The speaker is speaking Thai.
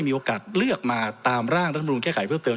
มีโอกาสเลือกมาตามร่างรัฐธรรมนูลแค่ไขเพื่อเพิ่ม